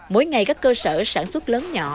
mỗi ngày các cơ sở sản xuất lớn nhỏ